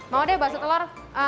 mau deh baso telur